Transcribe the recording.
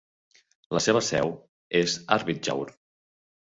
La seva seu és Arvidsjaur.